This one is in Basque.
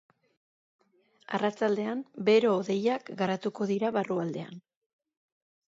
Arratsaldean bero-hodeiak garatuko dira barrualdean.